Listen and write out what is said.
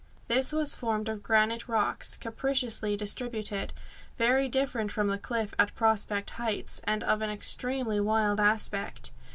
This was formed of granite rocks, capriciously distributed, very different from the cliff at Prospect Heights, and of an extremely wild aspect.